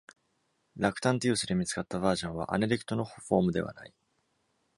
Lactantius で見つかったバージョンは、an edict のフォームではない。